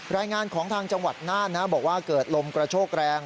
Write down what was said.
รายงานของทางจังหวัดน่านบอกว่าเกิดลมกระโชกแรง